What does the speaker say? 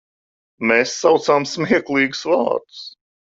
Mēs saucām smieklīgus vārdus.